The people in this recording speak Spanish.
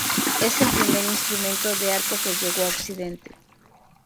Es el primer instrumento de arco que llegó a Occidente.